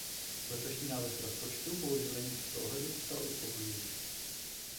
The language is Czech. Letošní návrh rozpočtu bohužel není v tomto ohledu zdaleka uspokojivý.